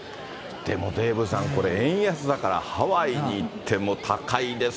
でもデーブさん、これ、円安だからハワイに行っても高いです